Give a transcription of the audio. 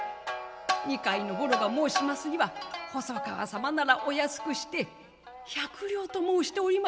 ２階のボロが申しますには細川様ならお安くして１００両と申しております」。